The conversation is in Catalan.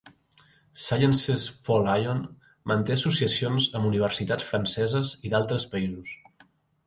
Sciences Po Lyon manté associacions amb universitats franceses i d'altres països.